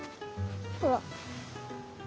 ほら。